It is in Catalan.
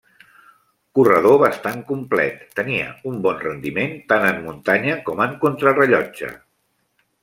Corredor bastant complet, tenia un bon rendiment tant en muntanya com en contrarellotge.